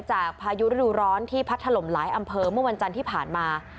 พายุฤดูร้อนที่พัดถล่มหลายอำเภอเมื่อวันจันทร์ที่ผ่านมา